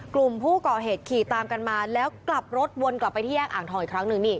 กลุ่มผู้ก่อเหตุขี่ตามกันมาแล้วกลับรถวนกลับไปที่แยกอ่างทองอีกครั้งหนึ่งนี่